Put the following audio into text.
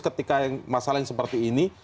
ketika masalah yang seperti ini